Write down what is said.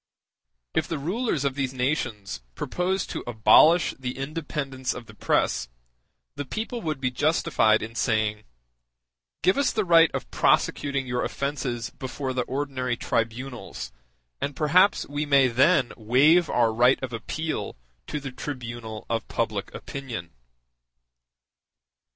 If the rulers of these nations propose to abolish the independence of the press, the people would be justified in saying: Give us the right of prosecuting your offences before the ordinary tribunals, and perhaps we may then waive our right of appeal to the tribunal of public opinion.